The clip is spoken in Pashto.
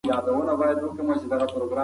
ماشومان باید له برق او خطرناکو شیانو لرې وي.